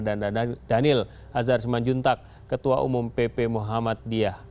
dan daniel hazarjman juntak ketua umum pp muhammad diyah